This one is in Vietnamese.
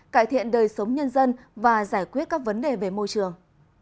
cải thiện đời sống nhân dân và giải quyết các vấn đề về môi trường